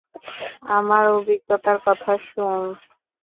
আমার অভিজ্ঞতার কথা শুন।